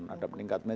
ada ada peningkatan